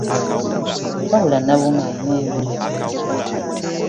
Wabula Nabuuma alina omululu!